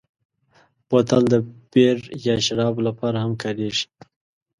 بوتل د بیر یا شرابو لپاره هم کارېږي.